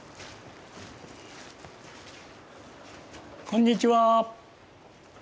こんにちは。